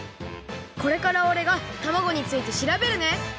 これからおれがたまごについてしらべるね！